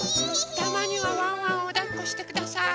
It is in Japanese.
たまにはワンワンをだっこしてください。